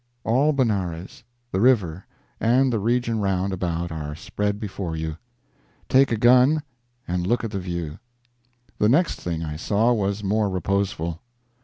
All Benares, the river, and the region round about are spread before you. Take a gun, and look at the view. The next thing I saw was more reposeful.